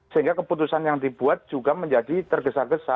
sehingga keputusan yang dibuat juga menjadi tergesa gesa